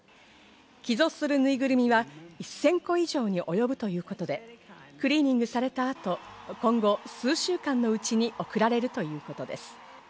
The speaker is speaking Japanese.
寄贈するぬいぐるみは１０００個以上に及ぶということで、クリーニングされたあと、今後数週間のうちに送られるということです。